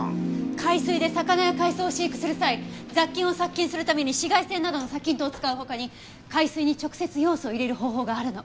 海水で魚や海藻を飼育する際雑菌を殺菌するために紫外線などの殺菌灯を使う他に海水に直接ヨウ素を入れる方法があるの。